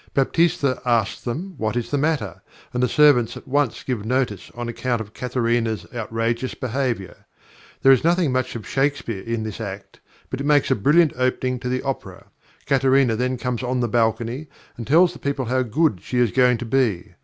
Baptista asks them what is the matter, and the servants at once give notice on account of Katharina's outrageous behaviour. There is nothing much of Shakespeare in this act, but it makes a brilliant opening to the opera. Katharina then comes on the balcony and tells the people how good she is going to be.